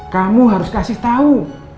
kamu harus kasih tau